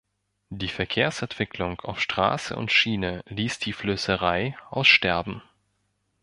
Die Verkehrsentwicklung auf Straße und Schiene ließ die Flößerei aussterben.